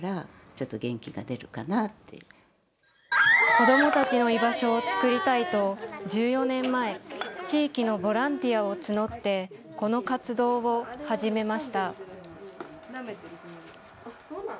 子どもたちの居場所を作りたいと、１４年前、地域のボランティアを募って、この活動を始めました。